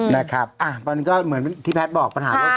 แล้วก็เหมือนที่แพทย์บอกปัญหาแล้วแตก